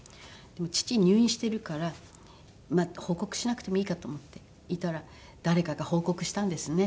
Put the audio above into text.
でも父入院してるから報告しなくてもいいかと思っていたら誰かが報告したんですね